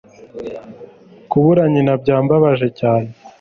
Kubura nyina byababaje cyane.